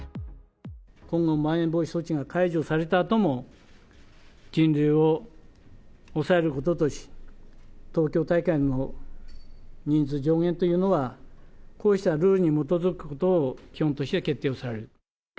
今後、まん延防止措置が解除されたあとも、人流を抑えることとし、東京大会の人数上限というのは、こうしたルールに基づくことを基本として、決定をされる。